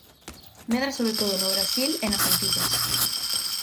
Medra sobre todo no Brasil e nas Antillas.